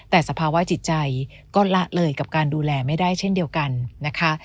แต่สภาวะจิตใจก็ละเลยกับการดูแลไม่ได้เช่นเดียวกันนะคะ